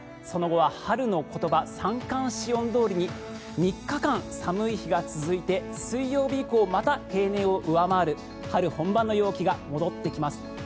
その後は春の言葉三寒四温どおりに３日間寒い日が続いて水曜日以降また平年を上回る春本番の陽気が戻ってきます。